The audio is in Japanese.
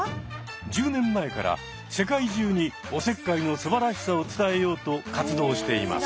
１０年前から世界中におせっかいのすばらしさを伝えようと活動しています。